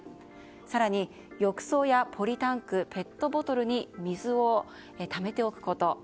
更に、浴槽やポリタンクペットボトルに水をためておくこと。